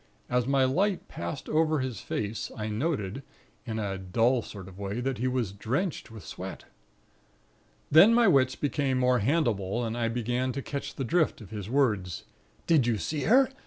As my light passed over his face, I noted, in a dull sort of way, that he was drenched with sweat. "Then my wits became more handleable, and I began to catch the drift of his words: 'Did you see her?